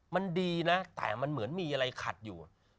มันดีนะแต่มันเหมือนมีอะไรขัดอยู่